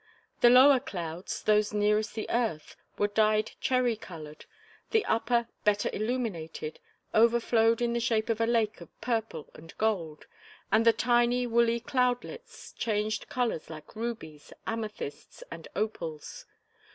The lower clouds, those nearest the earth, were dyed cherry colored, the upper, better illuminated, overflowed in the shape of a lake of purple and gold, and the tiny woolly cloudlets changed colors like rubies, amethysts, and opals.